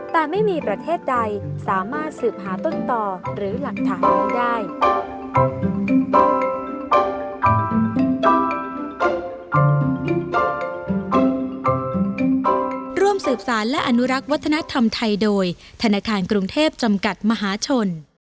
แต่ไม่มีประเทศใดสามารถสืบหาต้นต่อหรือหลักฐานนี้ได้